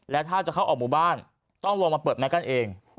แล้วถ้าจะเข้าออกหมู่บ้านต้องลงมาเปิดแมสกันเอง